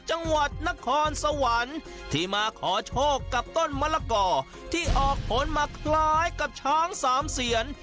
จังหวัดนครสวรรค์ที่มาขอโชคกับต้นมะละกอที่ออกผลมาคล้ายกับช้างสามเสียน